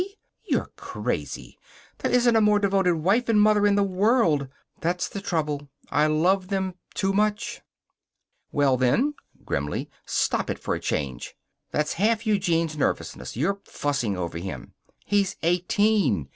You're crazy! There isn't a more devoted wife and mother in the world. That's the trouble. I love them too much." "Well, then," grimly, "stop it for a change. That's half Eugene's nervousness your fussing over him. He's eighteen.